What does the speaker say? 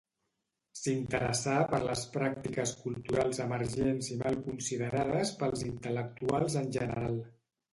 S'interessà per les pràctiques culturals emergents i mal considerades pels intel·lectuals en general.